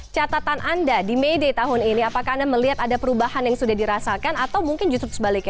catatan anda di may day tahun ini apakah anda melihat ada perubahan yang sudah dirasakan atau mungkin justru sebaliknya